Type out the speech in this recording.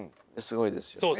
すごいですよ。